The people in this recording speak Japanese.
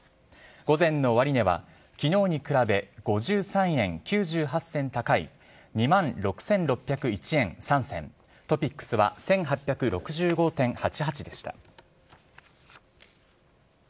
午前の終値は、きのうに比べ５３円９８銭高い、２万６６０１円３銭、トピックスは１８６５．８８でした。